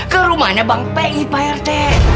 ke rumahnya bank pi prt